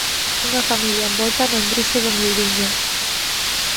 Unha familia envolta no embruxo do miudiño.